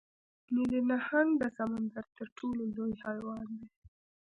نیلي نهنګ د سمندر تر ټولو لوی حیوان دی